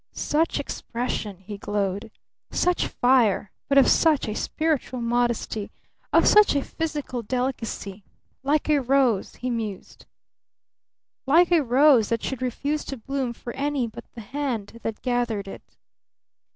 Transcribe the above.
Such expression!" he glowed. "Such fire! But of such a spiritual modesty! Of such a physical delicacy! Like a rose," he mused, "like a rose that should refuse to bloom for any but the hand that gathered it."